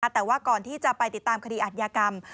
แต่ว่าก่อนที่จะไปติดตามคดีอัดยากรรม